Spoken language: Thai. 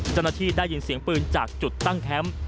จำหน้าที่ได้ยินเสียงปืนจากจุดตั้งแค้ม